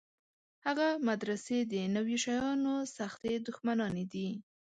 هغه مدرسې د نویو شیانو سختې دښمنانې دي.